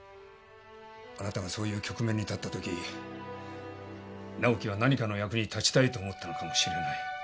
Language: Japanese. あなたがそういう局面に立ったとき直季は何かの役に立ちたいと思ったのかもしれない。